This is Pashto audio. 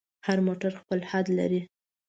هر موټر خپل حد لري.